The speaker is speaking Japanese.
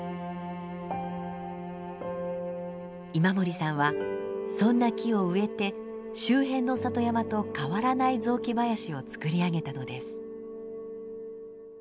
今森さんはそんな木を植えて周辺の里山と変わらない雑木林をつくり上げたのです。